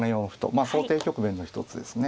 まあ想定局面の一つですね。